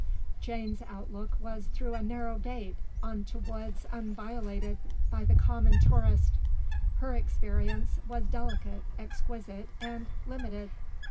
(Jane's outlook was through a narrow gate on to woods unviolated by the common tourist; her experience was delicate, exquisite, and limited).